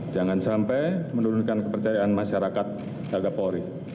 jangan sampai menurunkan kepercayaan masyarakat terhadap polri